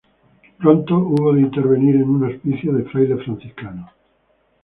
Pronto hubo de intervenir en un Hospicio de Frailes Franciscanos.